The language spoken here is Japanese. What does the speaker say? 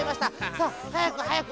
さあはやくはやく